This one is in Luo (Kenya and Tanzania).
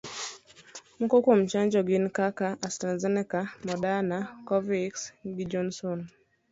Moko kuom chanjo gin kaka: Astrazeneca, Moderna, Covix na Johnson.